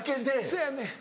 そやねん。